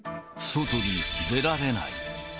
外に出られない。